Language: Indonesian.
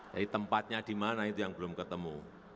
jadi tempatnya di mana itu yang belum ketemu